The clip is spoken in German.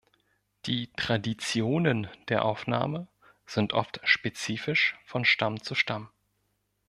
Die Traditionen der Aufnahme sind oft spezifisch von Stamm zu Stamm.